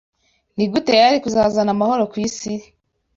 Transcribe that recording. Ni gute yari kuzazana amahoro ku isi